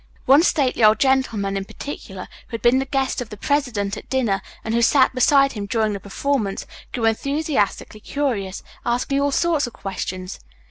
One stately old gentleman in particular, who had been the guest of the president at dinner, and who sat beside him during the performance, grew enthusiastically curious, asking all sorts of questions.